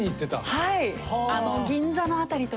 はい。